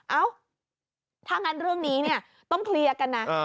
เอ้าถ้างั้นเรื่องนี้เนี่ยต้องเคลียร์กันนะ